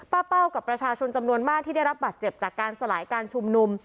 เป้ากับประชาชนจำนวนมากที่ได้รับบาดเจ็บจากการสลายการชุมนุม